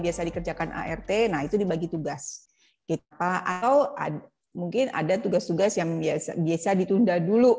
biasa dikerjakan art nah itu dibagi tugas kita atau mungkin ada tugas tugas yang biasa ditunda dulu